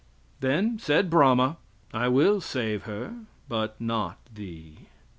Then said Brahma, "I will save her, but not thee."